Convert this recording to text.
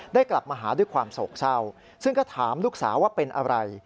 กลับมาหาด้วยความโศกเศร้าซึ่งก็ถามลูกสาวว่าเป็นอะไร